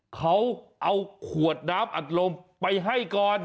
เขาเอาขวดน้ำอัดลมไปให้ก่อน